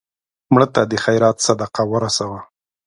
مړه ته د خیرات صدقه ورسوه